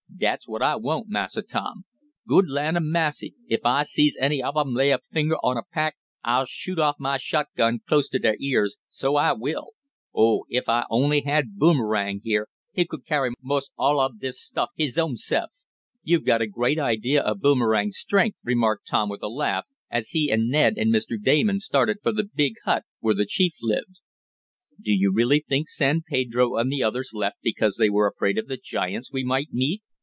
"Dat's what I won't, Massa Tom. Good land a massy! ef I sees any ob 'em lay a finger on a pack I'll shoot off my shotgun close to der ears, so I will. Oh, ef I only had Boomerang here, he could carry mos' all ob dis stuff his own se'f." "You've got a great idea of Boomerang's strength," remarked Tom with a laugh, as he and Ned and Mr. Damon started for the big hut where the chief lived. "Do you really think San Pedro and the others left because they were afraid of the giants we might meet?"